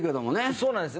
そうなんですよ。